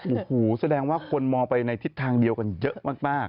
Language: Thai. โอ้โหแสดงว่าคนมองไปในทิศทางเดียวกันเยอะมาก